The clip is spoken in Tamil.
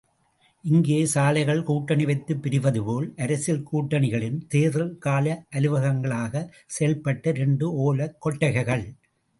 இங்கே, சாலைகள், கூட்டணி வைத்து பிரிவதுபோல், அரசியல் கூட்டணிகளின் தேர்தல் கால அலுவலகங்களாகச் செயல்பட்ட இரண்டு ஒலைக் கொட்டகைகள்.